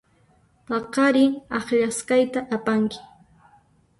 Paqarin akllasqayta apanki.